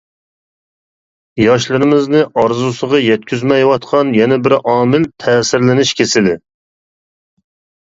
ياشلىرىمىزنى ئارزۇسىغا يەتكۈزمەيۋاتقان يەنە بىر ئامىل تەسىرلىنىش كېسىلى.